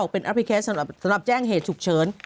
เป็นแอปพลิเคสสำหรับแจ้งเหตุฉุกเฉิน